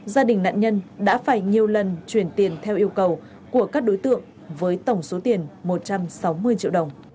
gia đình nạn nhân đã phải nhiều lần chuyển tiền theo yêu cầu của các đối tượng với tổng số tiền một trăm sáu mươi triệu đồng